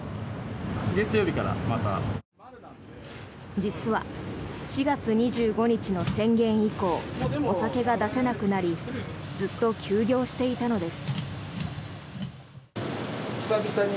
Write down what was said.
実は４月２５日の宣言以降お酒が出せなくなりずっと休業していたのです。